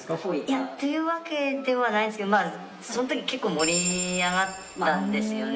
いやというわけではないんですけどその時結構盛り上がったんですよね